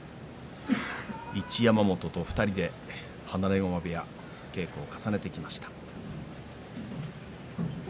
一山本と２人で放駒部屋稽古を重ねてきました。